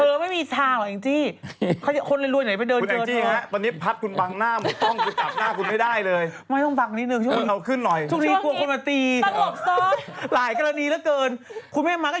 เธอไม่มีทางหรอไอจีคนเรียกรวยไหนไปเดินเจอเธอ